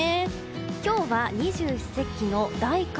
今日は二十四節気の大寒。